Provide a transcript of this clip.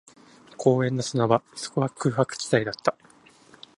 公園の砂場、そこは空白地帯だった